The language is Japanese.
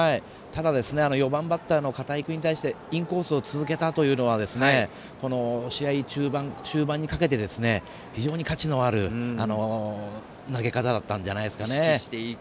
ただ、４番バッターの片井君に対して、インコースを続けたというのは試合中盤、終盤にかけて非常に価値のある投げ方だったんじゃないですかね。